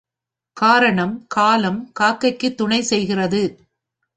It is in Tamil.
காரணம் காலம் காக்கைக்குத் துணை செய்கிறது.